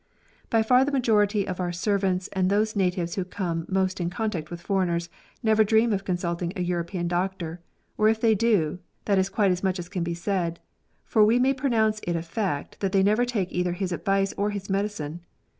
By far the majority of our servants and those natives who come most in contact with foreigners never dream of consulting a European doctor ; or if they do, that is quite as much as can be said, for we may pronounce it a fact that they never take either his advice or his medicine.